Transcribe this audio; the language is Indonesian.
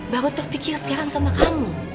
baru terpikir sekarang sama kamu